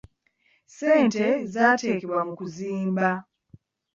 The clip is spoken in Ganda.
Ssente zaateekebwa ku kuzimba.